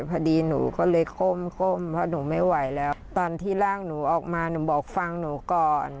พอดีหนูก็เลยก้มเพราะหนูไม่ไหวแล้วตอนที่ร่างหนูออกมาหนูบอกฟังหนูก่อน